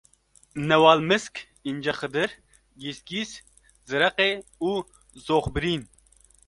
Newalmisk, Încexidir, Gîsgîs, Zireqê û Zoxbirîn